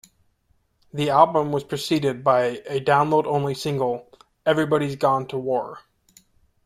The album was preceded by a download-only single, "Everybody's Gone to War".